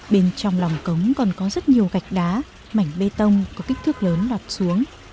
bên trong lòng cống còn có rất nhiều gạch đá mảnh bê tông có kích thước lớn lọt xuống